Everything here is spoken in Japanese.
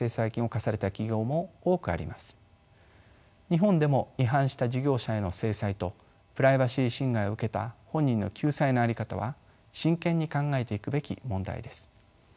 日本でも違反した事業者への制裁とプライバシー侵害を受けた本人の救済の在り方は真剣に考えていくべき問題です。